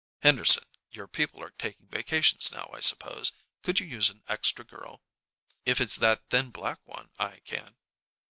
"Henderson, your people are taking vacations now, I suppose? Could you use an extra girl?" "If it's that thin black one, I can."